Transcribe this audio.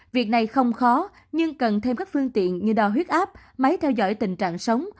việc này không khó nhưng cần thêm các phương tiện như đo huyết áp máy theo dõi tình trạng sống